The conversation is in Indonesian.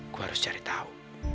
gua harus cari tau